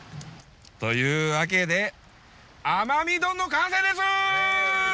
というわけで奄美丼の完成です！